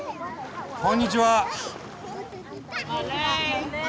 こんにちは！